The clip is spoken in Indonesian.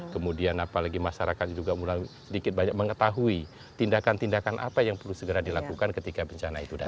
kemudian apalagi masyarakat juga mulai sedikit banyak mengetahui tindakan tindakan apa yang perlu segera dilakukan ketika bencana itu datang